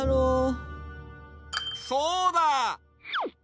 そうだ！